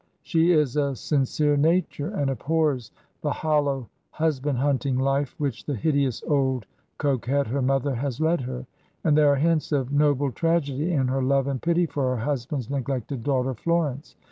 She is a sincere nature, and abhors the hollow, husband hunting life which the hideous old coquette, her mother, has led her; and there are hints of noble tragedy in her love and pity for her husband's neglected daughter Florence.